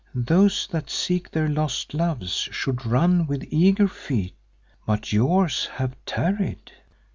Those that seek their lost loves should run with eager feet, but yours have tarried."